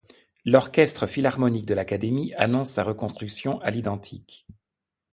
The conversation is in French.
L'Orchestre philharmonique de l'Académie annonce sa reconstruction à l'identique.